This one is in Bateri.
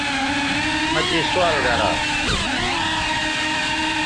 مہ تے سوال گرا